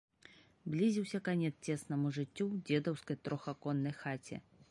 Блізіўся канец цеснаму жыццю ў дзедаўскай трохаконнай хаце.